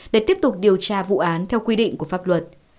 để tiếp tục điều tra vụ án theo quy định của pháp luật